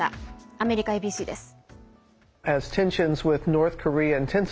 アメリカＡＢＣです。